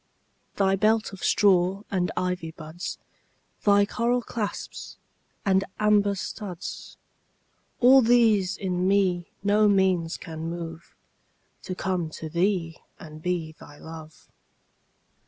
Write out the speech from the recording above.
Thy belt of straw and ivy buds, Thy coral claps and somber studs, All these in me no means can move To come to thee and be thy love.